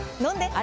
あ